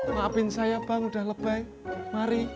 maafin saya bang udah lebay mari